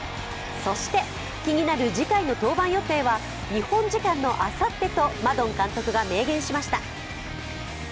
そして、気になる次回の登板予定は日本時間のあさってとマドン監督が明言しました。